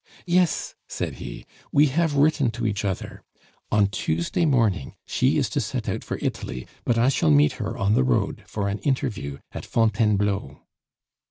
"Yes," said he, "we have written to each other. On Tuesday morning she is to set out for Italy, but I shall meet her on the road for an interview at Fontainebleau."